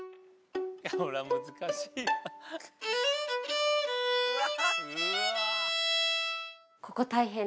これは難しいな。